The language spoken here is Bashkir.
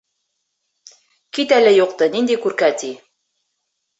— Кит әле юҡты, ниндәй күркә ти.